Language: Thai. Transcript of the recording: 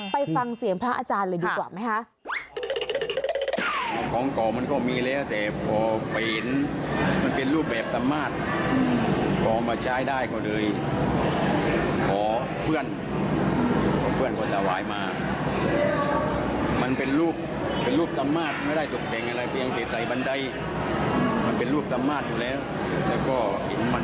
ไปฟังเสียงพระอาจารย์เลยดีกว่าไหมคะ